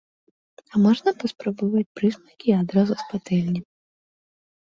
А можна паспрабаваць прысмакі і адразу з патэльні.